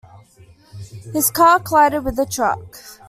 His car collided with a truck.